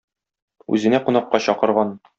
Үзенә кунакка чакырган.